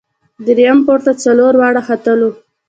درییم پوړ ته څلور واړه ختلو.